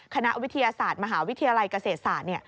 คณะวิทยาศาสตร์มหาวิทยาลัยเกษตรศาสตร์